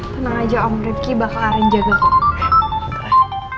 tenang aja om rifqi bakal arin jaga kamu